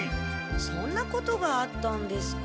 そんなことがあったんですか。